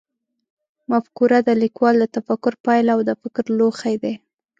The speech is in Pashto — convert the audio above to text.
مفکوره د لیکوال د تفکر پایله او د فکر لوښی دی.